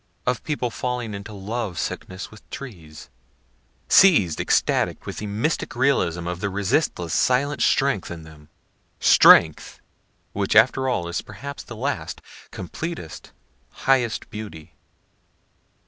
of people falling into love sickness with trees, seiz'd extatic with the mystic realism of the resistless silent strength in them strength, which after all is perhaps the last, completest, highest beauty.